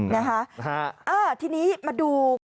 นะฮะทีนี้มาดู